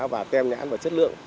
và tem nhãn và chất lượng